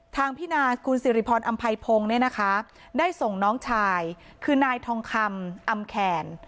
พี่นาคุณสิริพรอำไพพงศ์เนี่ยนะคะได้ส่งน้องชายคือนายทองคำอำแขน